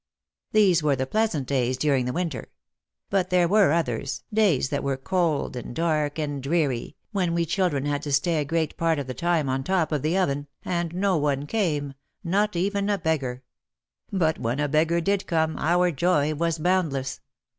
These were the pleasant days during the winter. But there were others, days that were cold and dark and dreary, when we children had to stay a great part of the time on top of the oven, and no one came, not even a beggar. But when a beggar did come our joy was boundless.